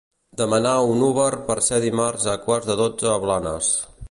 Demanar un Uber per ser dimarts a quarts de dotze a Blanes.